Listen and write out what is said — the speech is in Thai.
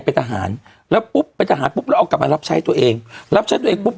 เป็นทหารแล้วปุ๊บเป็นทหารปุ๊บแล้วเอากลับมารับใช้ตัวเองรับใช้ตัวเองปุ๊บ